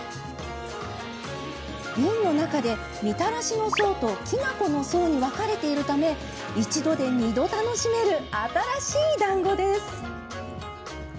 瓶の中で、みたらしの層ときな粉の層に分かれているため一度で２度楽しめる新しいだんごです。